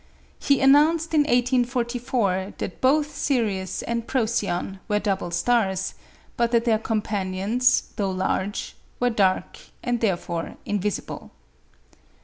He announced in 1844 that both Sirius and Procyon were double stars, but that their companions, though large, were dark, and therefore invisible.